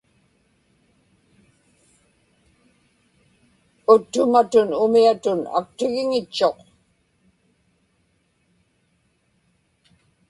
uttumatun umiatun aktigiŋitchuq